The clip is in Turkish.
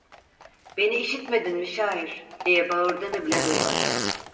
"Beni işitmedin mi şair!" diye bağırdığını bile duymadı.